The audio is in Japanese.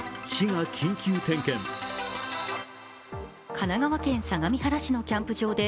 神奈川県相模原市のキャンプ場で